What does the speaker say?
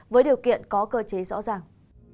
với điều kiện có cơ chế rõ ràng